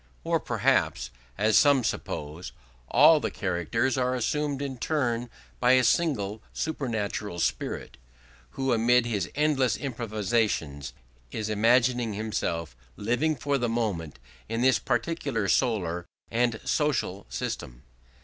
Or perhaps, as some suppose, all the characters are assumed in turn by a single supernatural Spirit, who amid his endless improvisations is imagining himself living for the moment in this particular solar and social system.